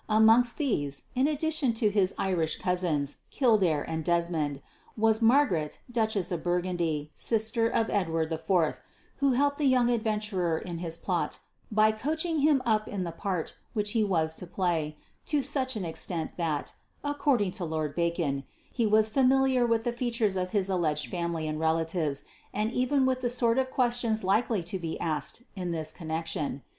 Amongst these, in addition to his Irish "Cousins" Kildare and Desmond, was Margaret, Duchess of Burgundy, sister of Edward IV, who helped the young adventurer in his plot by "coaching" him up in the part which he was to play, to such an extent that, according to Lord Bacon, he was familiar with the features of his alleged family and relatives and even with the sort of questions likely to be asked in this connection.